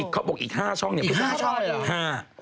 เขาบอกอีก๕ช่องอีก๕ช่องเลยหรอ